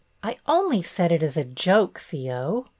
''I — only said it as a joke, Theo."